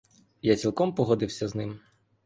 Я цілком погодився з ним.